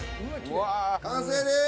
完成です。